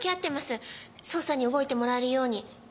捜査に動いてもらえるように。